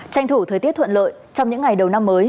tranh thủ thời tiết thuận lợi trong những ngày đầu năm mới